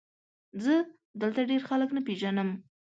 زه دلته ډېر خلک نه پېژنم ؟